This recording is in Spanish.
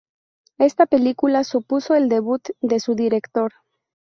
Esta película supuso el debut de su director.